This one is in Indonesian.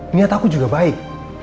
niat aku juga baik